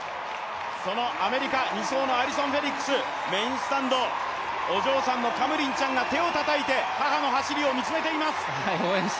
アメリカ、２走のアリソン・フェリックスメインスタンド、お嬢さんのカムリンちゃんが手をたたいて母の走りを見つめています。